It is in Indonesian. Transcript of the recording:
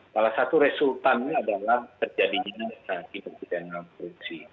salah satu resultannya adalah terjadinya transisi perjalanan korupsi